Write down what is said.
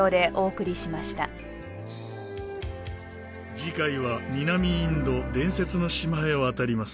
次回は南インド伝説の島へ渡ります。